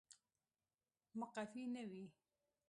مقفي نه وي